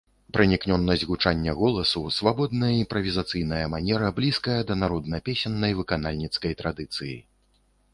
Пранікнёнасць гучання голасу, свабодная імправізацыйная манера блізкія да народна-песеннай выканальніцкай традыцыі.